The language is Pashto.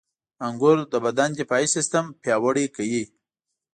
• انګور د بدن دفاعي سیستم پیاوړی کوي.